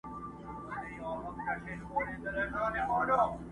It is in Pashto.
او حافظه د انسان تر ټولو قوي شاهد پاته کيږي.